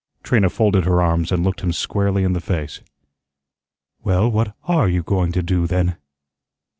Trina folded her arms and looked him squarely in the face. "Well, what ARE you going to do, then?"